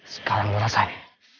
sekarang lu rasain